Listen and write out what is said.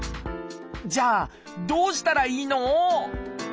じゃあどうしたらいいの？